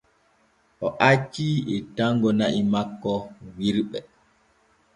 O acci ettango na’i makko wirɓe.